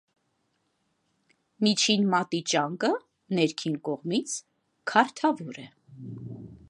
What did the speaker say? Միջին մատի ճանկը ներքին կողմից քառթավոր է։